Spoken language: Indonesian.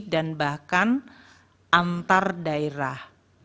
dan bahkan antar daerah